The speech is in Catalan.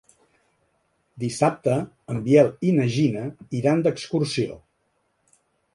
Dissabte en Biel i na Gina iran d'excursió.